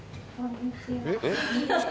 えっ？